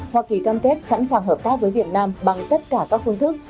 hoa kỳ cam kết sẵn sàng hợp tác với việt nam bằng tất cả các phương thức